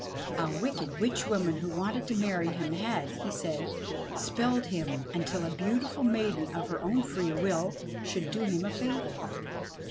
A wicked witch woman who wanted to marry him had, he said, spelled him until a beautiful maiden of her own free will should do him a favour.